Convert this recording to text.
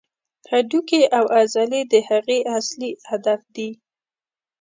هډوکي او عضلې د هغې اصلي هدف دي.